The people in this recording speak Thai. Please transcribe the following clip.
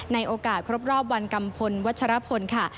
ในโอกาสครบรอบวันกัมพลวัชรพลค่ะ